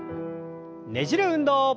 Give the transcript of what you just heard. ねじる運動。